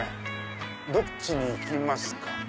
どっちに行きますか。